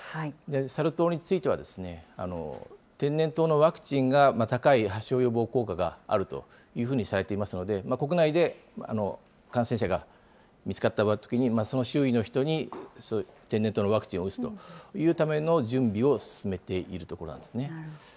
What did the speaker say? サル痘についてはですね、天然痘のワクチンが高い発症予防効果があるというふうにされていますので、国内で感染者が見つかったときに、その周囲の人に天然痘のワクチンを打つというための準備を進めているところなんですね。